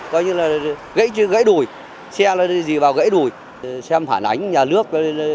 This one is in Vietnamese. coi như là gãy đùi xe gì vào gãy đùi xem phản ánh nhà nước